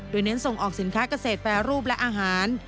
โดยเน้นส่งออกสินค้าเกษตรแปรรูปและอาหาร